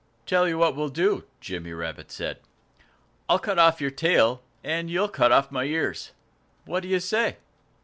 "Tell you what we'll do," Jimmy Rabbit said. "I'll cut off your tail and you'll cut off my ears. What do you say?"